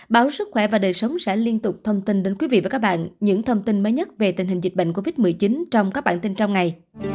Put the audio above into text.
báo sức khỏe và đời sống sẽ liên tục thông tin đến quý vị và các bạn những thông tin mới nhất về tình hình dịch bệnh covid một mươi chín trong các bản tin trong ngày